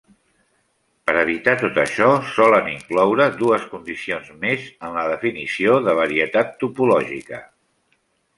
Per evitar tot això, solen incloure dues condicions més en la definició de varietat topològica.